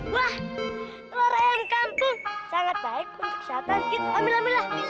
wah telur ayam di kampung sangat baik untuk kesehatan kita ambil ambil lah